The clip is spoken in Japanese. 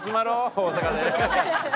大阪で。